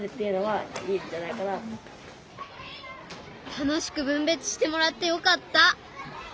楽しく分別してもらってよかった！